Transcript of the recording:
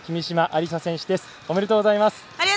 ありがとうございます！